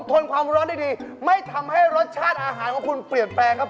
ทนความร้อนได้ดีไม่ทำให้รสชาติอาหารของคุณเปลี่ยนแปลงครับ